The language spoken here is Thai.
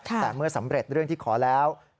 แต่เมื่อสำเร็จเรื่องที่ขอแล้ว